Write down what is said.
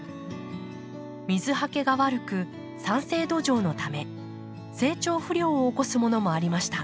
水はけが悪く酸性土壌のため成長不良を起こすものもありました。